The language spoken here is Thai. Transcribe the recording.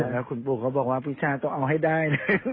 แล้วคุณปู่ก็บอกว่าพี่ชาต้องเอาให้ได้นะ